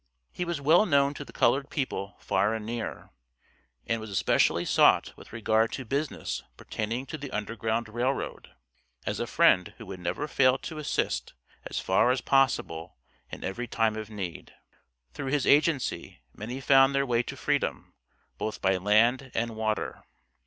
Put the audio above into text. He was well known to the colored people far and near, and was especially sought with regard to business pertaining to the Underground Rail Road, as a friend who would never fail to assist as far as possible in every time of need. Through his agency many found their way to freedom, both by land and water.